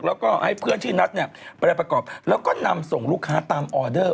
แล้วก็ให้เพื่อนที่นัดเนี่ยไปประกอบแล้วก็นำส่งลูกค้าตามออเดอร์